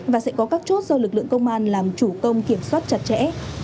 và sẽ có các chốt do lực lượng công an làm chủ công kiểm soát chặt chẽ